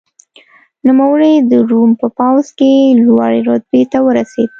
نوموړی د روم په پوځ کې لوړې رتبې ته ورسېد.